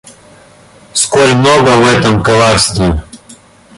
Сколь много в этом коварства!